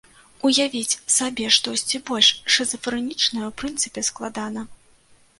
Уявіць сабе штосьці больш шызафрэнічнае ў прынцыпе складана.